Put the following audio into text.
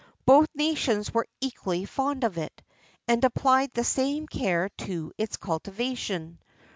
Both nations were equally fond of it, and applied the same care to its cultivation.